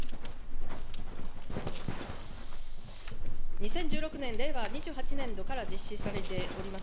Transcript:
２０１６年・２８年度から実施されております